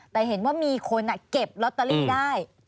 แต่เห็นว่ามีคนเก็บลอตเตอรี่ได้